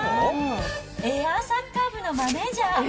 エアサッカー部のマネージャー。